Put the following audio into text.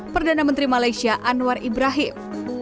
perdana menteri malaysia anwar ibrahim